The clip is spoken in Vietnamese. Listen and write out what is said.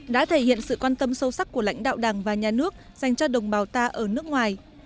đã thể hiện sự quan tâm sâu sắc của lãnh đạo đảng và nhà nước dành cho đồng bào ta ở nước ngoài